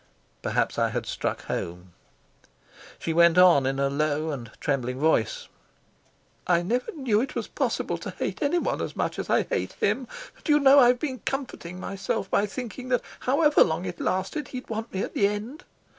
Perhaps I had struck home. She went on in a low and trembling voice: "I never knew it was possible to hate anyone as much as I hate him. Do you know, I've been comforting myself by thinking that however long it lasted he'd want me at the end?